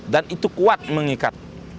dan itu kuat mengikat